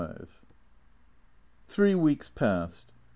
XXV THREE weeks passed.